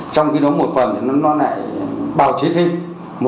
trong đó lực lượng công an đã bắt liên tiếp hàng chục vụ